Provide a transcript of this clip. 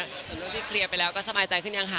ส่วนเรื่องที่เคลียร์ไปแล้วก็สบายใจขึ้นยังคะ